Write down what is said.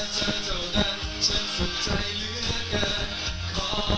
ความงามจริงก็ออกจากข้างใน